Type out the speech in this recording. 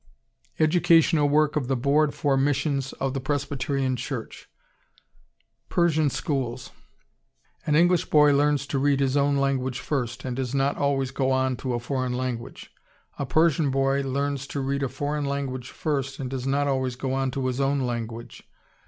(Educational Work of the Bd. For. Miss. of the Pres. Ch.) PERSIAN SCHOOLS An English boy learns to read his own language first, and does not always go on to a foreign language. A Persian boy learns to read a foreign language first, and does not always go on to his own language.